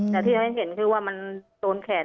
แต่ที่ให้เห็นคือว่ามันโดนแขน